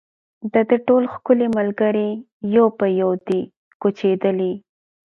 د ده ټول ښکلي ملګري یو په یو دي کوچېدلي